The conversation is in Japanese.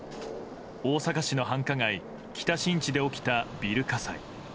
大阪市の繁華街・北新地で起きたビル火災。